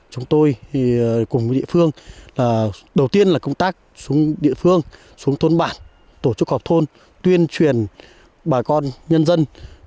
chúng tôi cùng với địa phương là đầu tiên là công tác xuống địa phương xuống thôn bản tổ chức họp thôn tuyên truyền bà con nhân dân